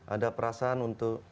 ada perasaan untuk